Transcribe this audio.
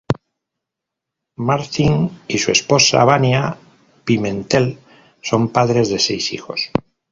Martins y su esposa, Vania Pimentel, son padres de seis hijos.